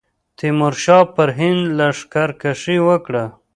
تیمورشاه پر هند لښکرکښي وکړه.